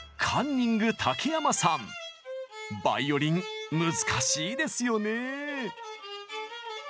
バイオリン難しいですよねぇ。